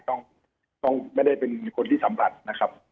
ต้องไม่ได้เป็นคนที่สัมผัสนะครับ